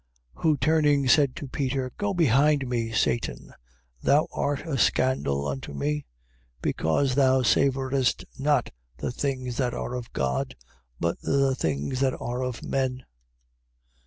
Who turning, said to Peter: Go behind me, Satan, thou art a scandal unto me: because thou savourest not the things that are of God, but the things that are of men.